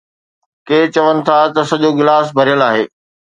ڪي چون ٿا ته سڄو گلاس ڀريل آهي.